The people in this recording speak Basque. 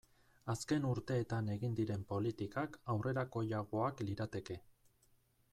Azken urteetan egin diren politikak aurrerakoiagoak lirateke.